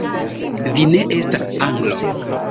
Vi ne estas Anglo!